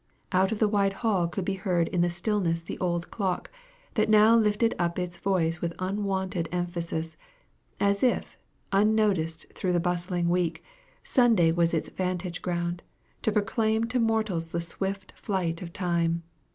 Out of the wide hall could be heard in the stillness the old clock, that now lifted up its voice with unwonted emphasis, as if, unnoticed through the bustling week, Sunday was its vantage ground, to proclaim to mortals the swift flight of time.